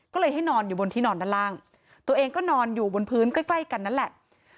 ก็เลยให้นอนอยู่บนที่นอนด้านล่างตัวเองก็นอนอยู่บนพื้นใกล้ใกล้กันนั่นแหละ